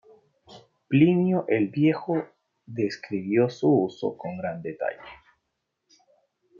Plinio el Viejo describió su uso con gran detalle.